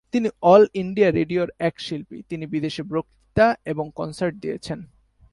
তিনি all India রেডিওর এক শিল্পী, তিনি বিদেশে বক্তৃতা এবং কনসার্ট দিয়েছেন।